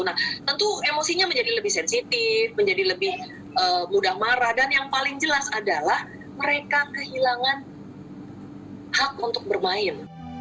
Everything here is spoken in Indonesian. nah tentu emosinya menjadi lebih sensitif menjadi lebih mudah marah dan yang paling jelas adalah mereka kehilangan hak untuk bermain